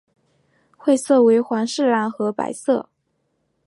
会色为皇室蓝和白色。